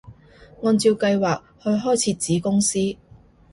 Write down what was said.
按照計劃去開設子公司